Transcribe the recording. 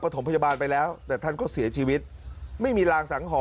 ถมพยาบาลไปแล้วแต่ท่านก็เสียชีวิตไม่มีรางสังหรณ